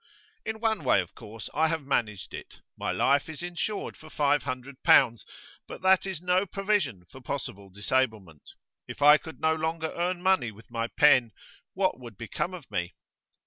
'In one way, of course, I have managed it. My life is insured for five hundred pounds. But that is no provision for possible disablement. If I could no longer earn money with my pen, what would become of me?